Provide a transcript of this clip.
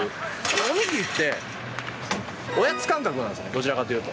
お握りって、おやつ感覚なんですよ、どちらかというと。